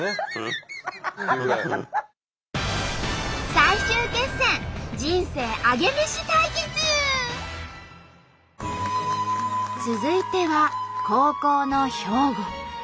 最終決戦続いては後攻の兵庫。